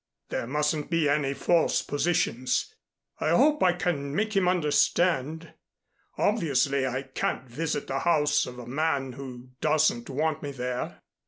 There mustn't be any false positions. I hope I can make him understand. Obviously I can't visit the house of a man who doesn't want me there."